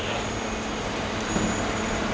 เป็นเจ้าหน้าที่เองก็ต้องรับการตรวจนะครับ